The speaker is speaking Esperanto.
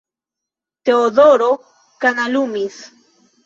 Teodoro kanalumis.